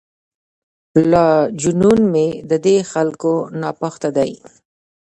لا جنون مې ددې خلکو ناپخته دی.